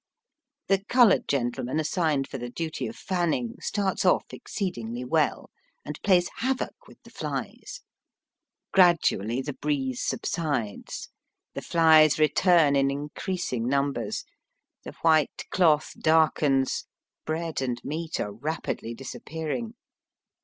The coloured gentleman assigned for the duty of fanning starts off exceedingly well and plays havoc with the flies. Gradually the breeze Digitized by VjOOQIC SOME WESTEBN TOWNS. 45 subsides; the flies return in increasing num bers; the white cloth darkens; bread and meat are rapidly disappearing.